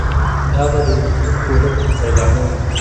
دا به د عمومي ښورښ پیلامه وي.